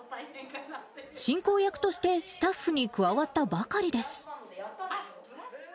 進行役としてスタッフに加わったばかりです。